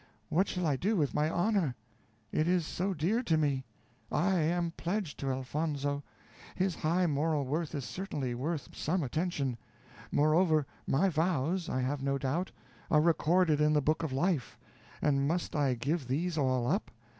what shall I do with my honor? it is so dear to me; I am pledged to Elfonzo. His high moral worth is certainly worth some attention; moreover, my vows, I have no doubt, are recorded in the book of life, and must I give these all up?